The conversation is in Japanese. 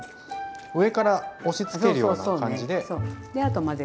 上から押しつけるような感じで。